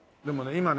今ね